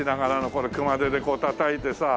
これ熊手でこうたたいてさ。